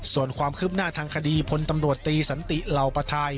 ส่วนความคืบหน้าทางคดีพลตำรวจตีสันติเหล่าประทาย